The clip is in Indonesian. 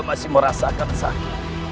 hamba masih merasakan sakit